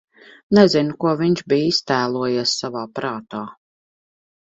Nezinu, ko viņš bija iztēlojies savā prātā.